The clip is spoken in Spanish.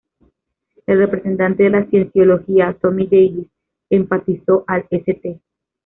El representante de la Cienciología, Tommy Davis, enfatizó al St.